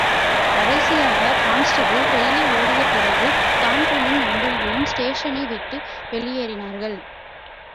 கடைசியாக constable Reilly ஓடிய பிறகு, தான்பிரீனும் நண்பர்களும் ஸ்டேஷனை விட்டு வெளியேறினார்கள்.